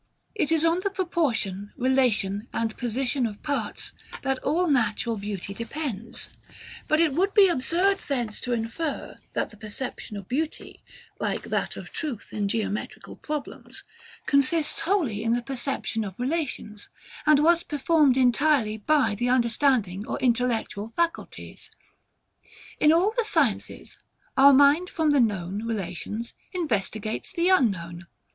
It is on the proportion, relation, and position of parts, that all natural beauty depends; but it would be absurd thence to infer, that the perception of beauty, like that of truth in geometrical problems, consists wholly in the perception of relations, and was performed entirely by the understanding or intellectual faculties. In all the sciences, our mind from the known relations investigates the unknown.